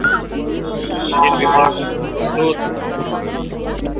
Engine বিভাগ, প্রস্তুত।